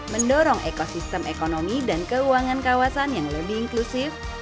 mendorong ekosistem ekonomi dan keuangan kawasan yang lebih inklusif